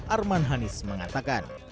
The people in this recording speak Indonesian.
arman hanis mengatakan